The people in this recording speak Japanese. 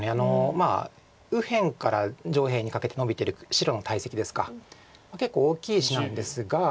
まあ右辺から上辺にかけてのびてる白の大石ですかが結構大きい石なんですが。